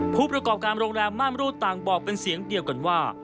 ผู้ประกอบการโรงแรมม่านรูดต่างบอกเป็นเสียงเดียวกันว่า